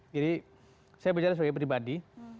jadi saya bicara sebagai pribadi